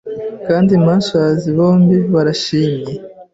Kandi Mantuans bombi barashimye